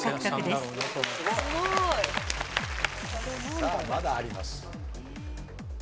すごい！さあまだあります。